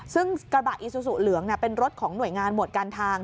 ซึ่งกระบะอีซูซูเหลืองเป็นรถของหน่วยงานหมวดการทาง